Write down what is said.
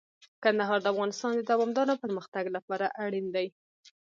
کندهار د افغانستان د دوامداره پرمختګ لپاره اړین دی.